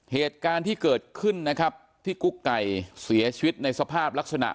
เหตุการณ์ที่เกิดขึ้นนะครับที่กุ๊กไก่เสียชีวิตในสภาพลักษณะ